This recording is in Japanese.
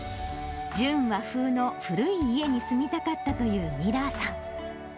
純和風の古い家に住みたかったというミラーさん。